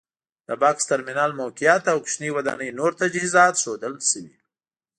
د بکس ترمینل موقعیت او د کوچنۍ ودانۍ نور تجهیزات ښودل شوي.